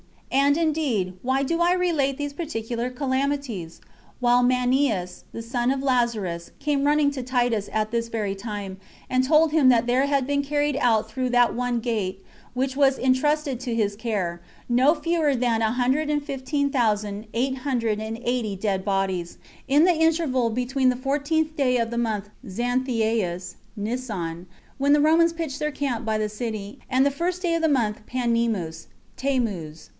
And, indeed, why do I relate these particular calamities? while Manneus, the son of Lazarus, came running to Titus at this very time, and told him that there had been carried out through that one gate, which was intrusted to his care, no fewer than a hundred and fifteen thousand eight hundred and eighty dead bodies, in the interval between the fourteenth day of the month Xanthicus, [Nisan,] when the Romans pitched their camp by the city, and the first day of the month Panemus [Tamuz].